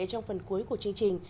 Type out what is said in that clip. trong phần cuối của chương trình